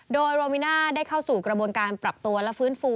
โดยโรมิน่าได้เข้าสู่กระบวนการปรับตัวและฟื้นฟู